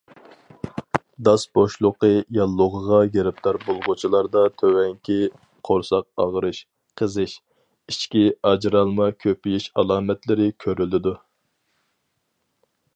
داس بوشلۇقى ياللۇغىغا گىرىپتار بولغۇچىلاردا تۆۋەنكى قورساق ئاغرىش، قىزىش، ئىچكى ئاجرالما كۆپىيىش ئالامەتلىرى كۆرۈلىدۇ.